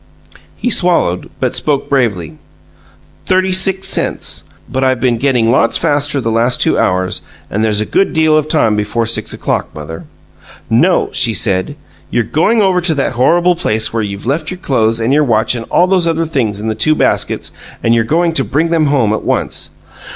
He swallowed, but spoke bravely. "Thirty six cents. But I've been getting lots faster the last two hours and there's a good deal of time before six o'clock. Mother " "No," she said. "You're going over to that horrible place where you've left your clothes and your watch and all those other things in the two baskets, and you're going to bring them home at once."